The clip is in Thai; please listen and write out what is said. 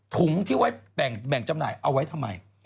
ถุงที่ไว้แบ่งจำหน่ายเอาไว้ทำไม